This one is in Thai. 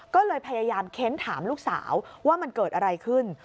ก็เลยพยายามเค้นถามลูกสาวว่ามันเกิดอะไรขึ้น